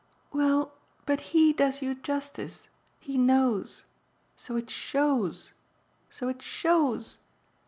"Well, but HE does you justice he knows. So it shows, so it shows